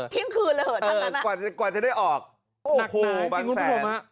ทิ้งคืนละเถอะทั้งนั้นนะกว่าจะได้ออกโอ้โหบางแสน